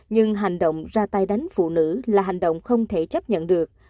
nhưng hành động ra tay đánh phụ nữ là hành động không thể chấp nhận được